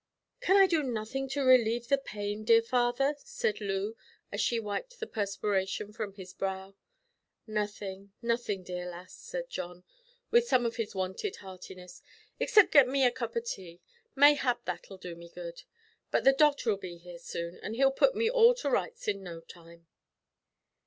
"Can I do nothing to relieve the pain, dear father?" said Loo, as she wiped the perspiration from his brow. "Nothin', nothin', dear lass," said John, with some of his wonted heartiness, "except git me a cup o' tea. Mayhap that'll do me good; but the doctor'll be here soon, and he'll put me all to rights in no time."